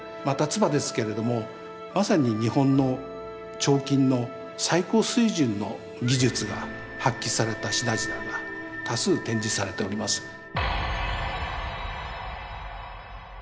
また鐔ですけれどもまさに日本の彫金の最高水準の技術が発揮された品々が多数展示されております。